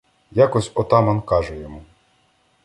Якось отаман каже йому: